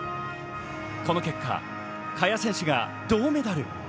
この結果、萱選手が銅メダル。